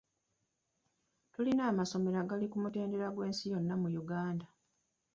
Tulina amasomero agali ku mutendera gw'ensi yonna mu Uganda